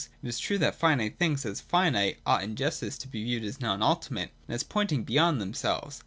It is true that finite things as finite ought in justice to be viewed as non ultimate, and as pointing beyond them selves.